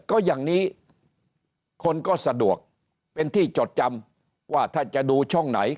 ก็อย่างนี้คนก็สะดวกเป็นที่จดจำว่าถ้าจะดูช่องไหน